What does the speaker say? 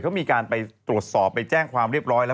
เขามีการไปตรวจสอบไปแจ้งความเรียบร้อยแล้ว